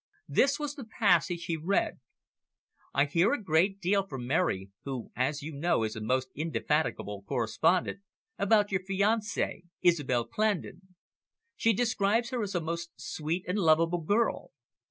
This was the passage he read. "I hear a great deal from Mary, who as you know is a most indefatigable correspondent, about your fiancee, Isobel Clandon. She describes her as a most sweet and lovable girl.